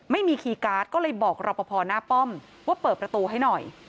คีย์การ์ดก็เลยบอกรอปภหน้าป้อมว่าเปิดประตูให้หน่อย